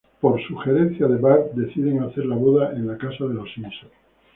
Por sugerencia de Bart, deciden hacer la boda en la casa de los Simpson.